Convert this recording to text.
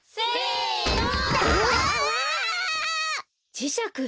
じしゃく！